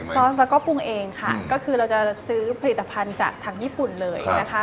ซอสแล้วก็ปรุงเองค่ะก็คือเราจะซื้อผลิตภัณฑ์จากทางญี่ปุ่นเลยนะคะ